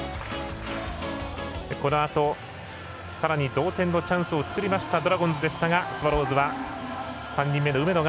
このあと、さらに同点のチャンスを作りましたドラゴンズでしたがスワローズは、３人目の梅野が